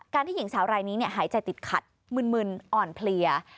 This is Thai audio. ที่หญิงสาวรายนี้หายใจติดขัดมึนอ่อนเพลีย